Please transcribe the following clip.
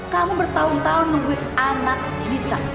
kamu bertahun tahun nungguin anak bisa